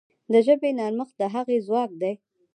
د ژبې نرمښت د هغې ځواک دی.